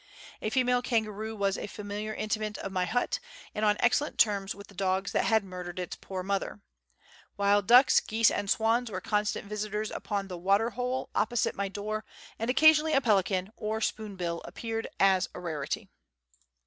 A female kangaroo was a familiar intimate of my hut, and on excellent terms with the dogs that had murdered its poor mother. Wild ducks, geese, and swans were constant visitors upon the water hole opposite my door, and occasionally a pelican, or spoon bill, appeared as a rarity.